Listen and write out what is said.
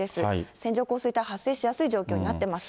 線状降水帯、発生しやすい状況になってます。